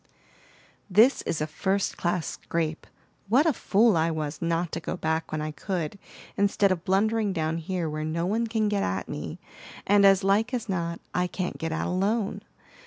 "This is a first class scrape. What a fool I was not to go back when I could, instead of blundering down here where no one can get at me, and as like as not I can't get out alone!